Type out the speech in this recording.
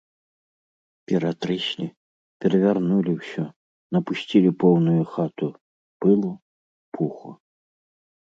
Ператрэслі, перавярнулі ўсё, напусцілі поўную хату пылу, пуху.